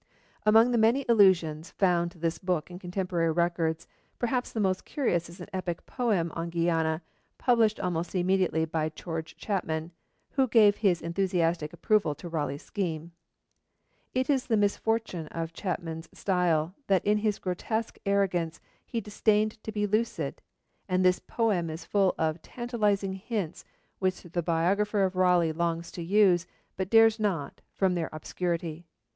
Among the many allusions found to this book in contemporary records, perhaps the most curious is an epic poem on Guiana, published almost immediately by George Chapman, who gave his enthusiastic approval to Raleigh's scheme. It is the misfortune of Chapman's style that in his grotesque arrogance he disdained to be lucid, and this poem is full of tantalising hints, which the biographer of Raleigh longs to use, but dares not, from their obscurity.